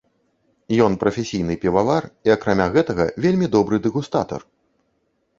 Ён прафесійны півавар і, акрамя гэтага, вельмі добры дэгустатар.